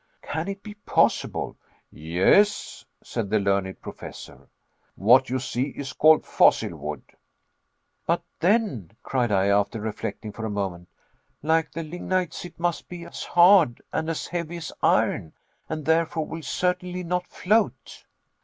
"Can it be possible?" "Yes," said the learned Professor, "what you see is called fossil wood." "But then," cried I, after reflecting for a moment, "like the lignites, it must be as hard and as heavy as iron, and therefore will certainly not float."